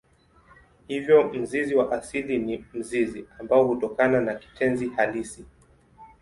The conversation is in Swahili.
Hivyo mzizi wa asili ni mzizi ambao hutokana na kitenzi halisi.